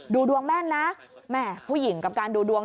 ดูดวงแม่นนะแม่ผู้หญิงกับการดูดวง